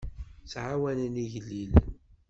Ttɛawanen igellilen.